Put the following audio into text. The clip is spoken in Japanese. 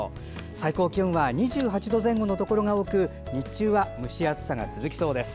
最高気温は２８度前後のところが多く日中は蒸し暑さが続きそうです。